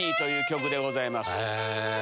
曲でございます。